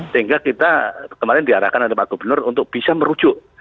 sehingga kita kemarin diarahkan oleh pak gubernur untuk bisa merujuk